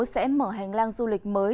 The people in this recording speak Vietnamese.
sẽ mở hành lang du lịch mới